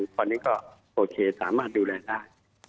ตอนนี้ก็โอเคสามารถดูแลได้